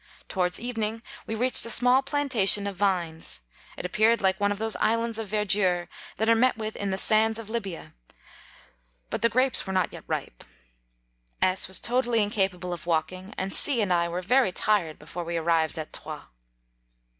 Towards evening we reached a small plantation of vines, it appeared like one of those islands of verdure that are met with in the midst 26 of the sands of Lybia, but the grapes were not yet ripe. S was totally in capable of walking, and C and I were very tired before we arrived at Troyes.